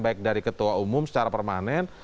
baik dari ketua umum secara permanen